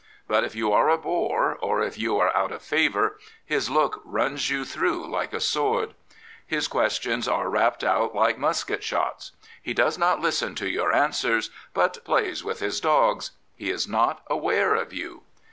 But if you are a bore, or if you are out of favour, his look runs you through like a sword. Hi^ questions are rapped out like musket shots. He does not listen to your answers, but plays with his dogs. He is not aware of you.